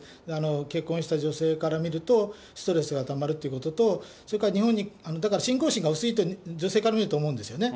結婚した女性から見ると、ストレスがたまるということと、それから、だから信仰心が薄いと、女性から見ると思うんですよね。